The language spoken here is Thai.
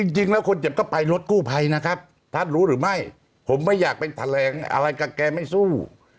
จริงแล้วคนเจ็บก็ไปรถกู้ภัยนะครับท่านรู้หรือไม่ผมไม่อยากไปแถลงอะไรกับแกไม่สู้